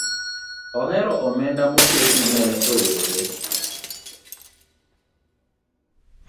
ohero omenda moketi ne rowereB.